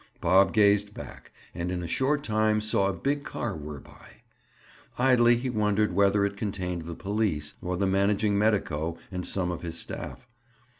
Bob gazed back and in a short time saw a big car whir by. Idly he wondered whether it contained the police, or the managing medico and some of his staff.